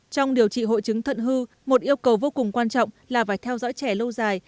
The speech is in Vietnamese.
trong điều trị hội chứng thận hư một yêu cầu vô cùng quan trọng là phải theo dõi trẻ lâu dài